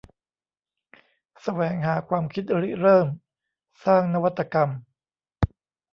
แสวงหาความคิดริเริ่ม สร้างนวัตกรรม